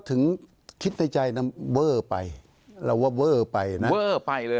คิดในใจนะเวอร์ไปเราว่าเวอร์ไปนะเวอร์ไปเลย